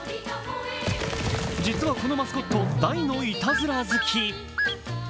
実はこのマスコット、大のいたずら好き。